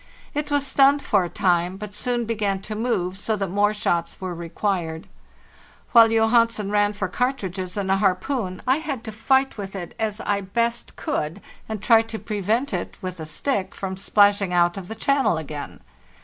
It was stunned for a time, but soon began to move, so that more shots were required. While Johansen ran for cartridges and a harpoon I had to fight with it as I best could, and try to prevent it, with a stick, from splashing out of the channel again.